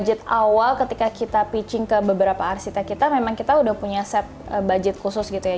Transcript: jadi budget awal ketika kita pitching ke beberapa arsitek kita memang kita udah punya set budget khusus gitu ya